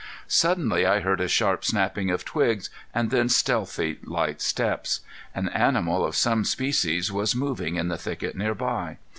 Suddenly I heard a sharp snapping of twigs and then stealthy, light steps. An animal of some species was moving in the thicket nearby.